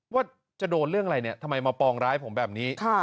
ว่าจะโดนเรื่องอะไรเนี่ยทำไมมาปองร้ายผมแบบนี้